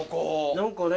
何かね